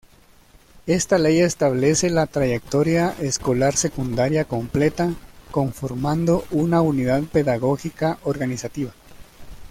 Esta ley establece la trayectoria escolar secundaria completa conformando una unidad pedagógica organizativa.